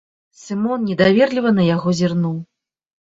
Сымон недаверліва на яго зірнуў.